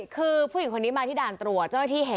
คือผู้หญิงคนนี้มาที่ด่านตรวจ